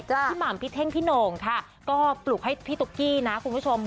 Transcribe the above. หม่ำพี่เท่งพี่โหน่งค่ะก็ปลุกให้พี่ตุ๊กกี้นะคุณผู้ชม